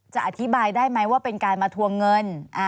อธิบายได้ไหมว่าเป็นการมาทวงเงิน